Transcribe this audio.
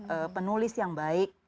kita memakai penulis yang baik